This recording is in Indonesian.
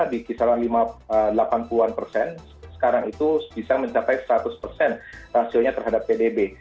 di kisaran delapan puluh an persen sekarang itu bisa mencapai seratus persen rasionya terhadap pdb